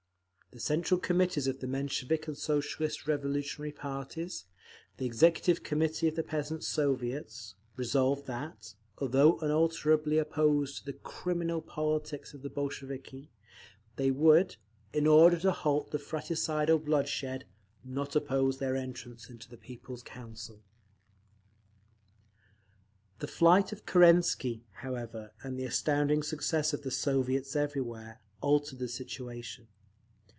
The Central Committees of the Menshevik and Socialist Revolutionary parties, the Executive Committee of the Peasant's Soviets, resolved that, although unalterably opposed to the "criminal politics" of the Bolsheviki, they would, "in order to halt the fratricidal bloodshed," not oppose their entrance into the People's Council. The flight of Kerensky, however, and the astounding success of the Soviets everywhere, altered the situation.